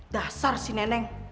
dasar si neneng